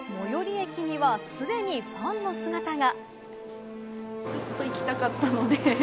駅には、すでにファンの姿が。